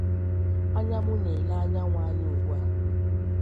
Anya mụ na-ele anyanwụ anya ugbu a